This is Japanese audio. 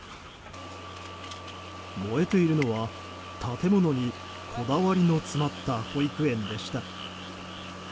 燃えているのは建物にこだわりの詰まった保育園でした。